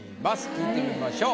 聞いてみましょう。